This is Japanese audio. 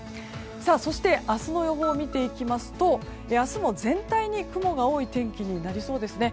そして明日の予報を見ていきますと明日も全体に雲が多い天気になりそうですね。